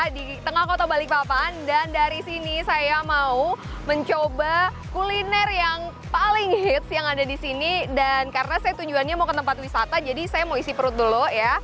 di tengah kota balikpapan dan dari sini saya mau mencoba kuliner yang paling hits yang ada di sini dan karena saya tujuannya mau ke tempat wisata jadi saya mau isi perut dulu ya